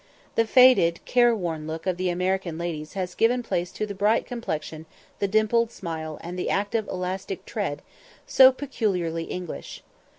The faded careworn look of the American ladies has given place to the bright complexion, the dimpled smile, and the active elastic tread, so peculiarly English.